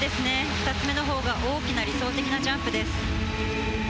２つ目のほうが大きな、理想的なジャンプです。